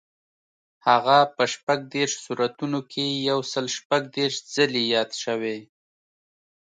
هغه په شپږ دېرش سورتونو کې یو سل شپږ دېرش ځلي یاد شوی.